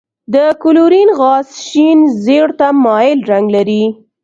د کلورین غاز شین زیړ ته مایل رنګ لري.